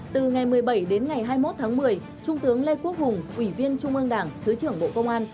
từ ngày một mươi bảy đến ngày hai mươi một tháng một mươi trung tướng lê quốc hùng ủy viên trung ương đảng thứ trưởng bộ công an